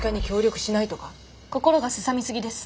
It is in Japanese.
心がすさみすぎです。